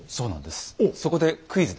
そこでクイズです。